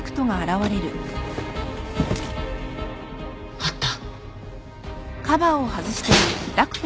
あった。